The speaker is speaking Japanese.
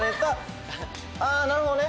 あっなるほどね！